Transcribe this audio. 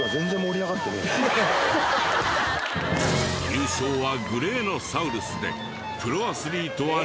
優勝はグレーのサウルスでプロアスリートは２位。